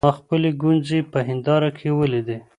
ما خپلې ګونځې په هېنداره کې وليدې.